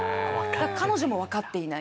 だから彼女もわかっていない。